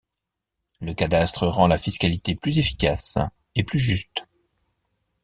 Le cadastre rend la fiscalité plus efficace et plus juste.